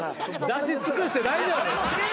・出し尽くして大丈夫？